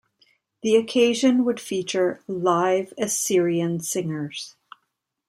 The occasion would feature live Assyrian singers.